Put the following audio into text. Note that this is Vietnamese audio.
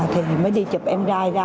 thì mới đi chụp em ra